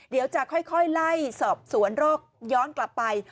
เดี๋ยวจะค่อยไล่สอบสวนโรคย้อนกลับไป